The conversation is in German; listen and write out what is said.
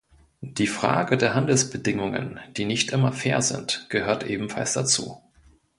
Die Frage der Handelsbedingungen, die nicht immer fair sind, gehört ebenfalls dazu.